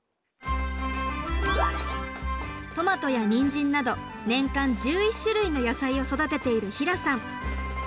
トマトやニンジンなど年間１１種類の野菜を育てている平さん。